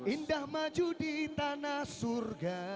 indah maju di tanah surga